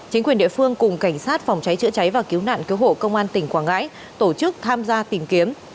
chính quyền địa phương cùng cảnh sát phòng cháy chữa cháy và cứu nạn cứu hộ công an tỉnh quảng ngãi tổ chức tham gia tìm kiếm